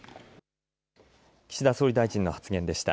岸田総理大臣の発言でした。